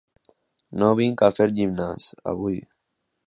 No vinc a fer gimnàs, avui.